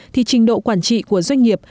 thì trình độ quản trị của doanh nghiệp